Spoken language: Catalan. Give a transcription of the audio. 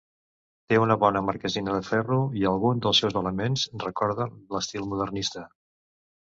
Té una bona marquesina de ferro i algun dels seus elements recorden l'estil modernista.